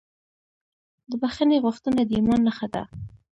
د بښنې غوښتنه د ایمان نښه ده.